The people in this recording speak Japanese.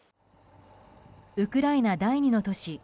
ウクライナ第２の都市